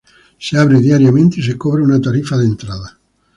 Se abre diariamente y se cobra una tarifa de entrada.